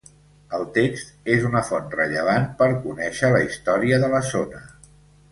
El text és una font rellevant per conèixer la història de la zona.